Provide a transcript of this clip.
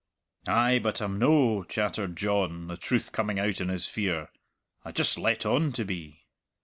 "Ay, but I'm no," chattered John, the truth coming out in his fear. "I just let on to be."